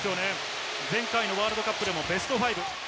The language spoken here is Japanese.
前回のワールドカップでもベストファイブ。